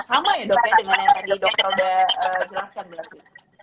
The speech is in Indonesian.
sama ya dok ya dengan yang tadi dokter oda jelaskan berarti